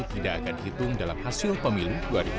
tidak akan dihitung dalam hasil pemilu dua ribu sembilan belas